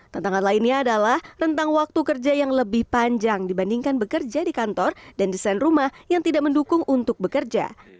tentangan lainnya adalah rentang waktu kerja yang lebih panjang dibandingkan bekerja di kantor dan desain rumah yang tidak mendukung untuk bekerja